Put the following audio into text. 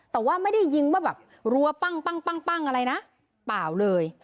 แต่ว่าไม่ได้ยิงว่าแบบรัวปั้งอะไรนะเปล่าเลย